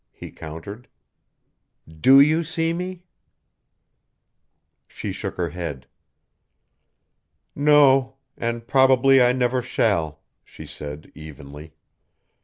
he countered. "Do you see me?" She shook her head. "No, and probably I never shall," she said evenly.